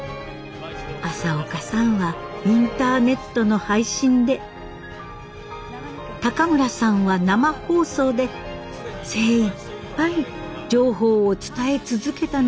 朝岡さんはインターネットの配信で高村さんは生放送で精いっぱい情報を伝え続けたのです。